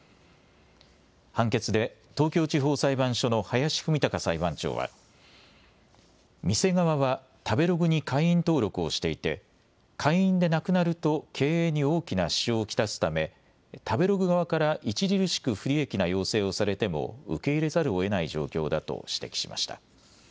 判決で東京地方裁判所の林史高裁判長は店側は食べログに会員登録をしていて会員でなくなると経営に大きな支障を来すため食べログ側から著しく不利益な要請をされても受け入れざるをえない状況だと指摘しました。